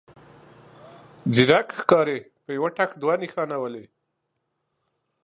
ځيرک ښکاري په يوه ټک دوه نښانه ولي.